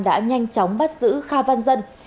đã nhanh chóng bắt giữ kha văn dân